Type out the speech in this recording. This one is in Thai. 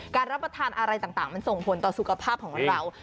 รับประทานอะไรต่างมันส่งผลต่อสุขภาพของเรา